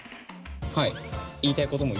はい。